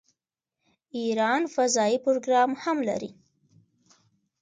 ایران فضايي پروګرام هم لري.